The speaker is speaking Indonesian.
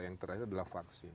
yang terakhir adalah vaksin